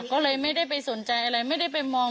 ก็เลยไม่ได้ไปสนใจอะไรไม่ได้ไปมอง